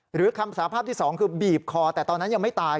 หรือคำสาภาพที่สองคือบีบคอแต่ตอนนั้นยังไม่ตาย